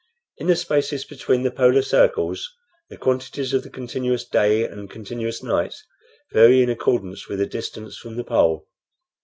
In the spaces between the polar circles the quantities of the continuous day and continuous night vary in accordance with the distance from the pole.